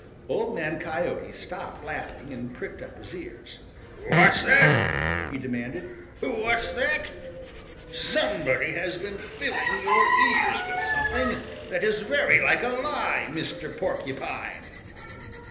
Old Man Coyote stopped laughing and pricked up his ears. "What's that?" he demanded. "What's that? Somebody has been filling your ears with something that is very like a lie, Mr. Porcupine."